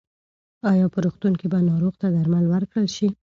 ایا په روغتون کې به ناروغ ته درمل ورکړل شي؟